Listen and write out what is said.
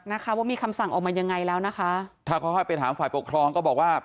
นะคะว่ามีคำสั่งออกมายังไงแล้วนะคะถ้าเขาให้ไปถามฝ่ายปกครองก็บอกว่า